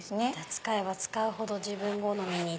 使えば使うほど自分好みに。